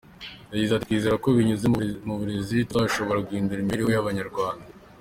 Yagize ati “Twizera ko binyuze mu burezi tuzashobora guhindura imibereho y’Abanyarwanda.